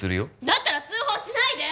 だったら通報しないで！